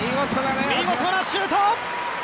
見事なシュート。